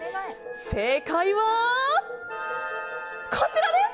正解は、こちらです！